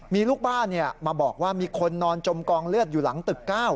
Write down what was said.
มีลูกบ้านมาบอกว่ามีคนนอนจมกองเลือดอยู่หลังตึก๙